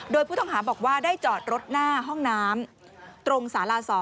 โดยผู้ต้องหาบอกว่าได้จอดรถหน้าห้องน้ำตรงสารา๒